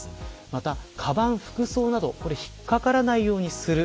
またかばん、服装などは引っかからないようにする。